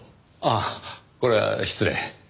あっこれは失礼。